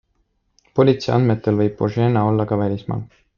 Politsei andmetel võib Božena olla ka välismaal.